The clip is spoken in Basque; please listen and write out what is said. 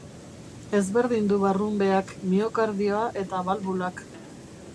Ezberdindu barrunbeak, miokardioa eta balbulak.